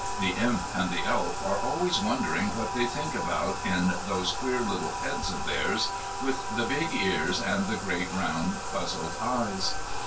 The Imp and the Elf are always wondering what they think about in those queer little heads of theirs, with the big ears and great round puzzled eyes.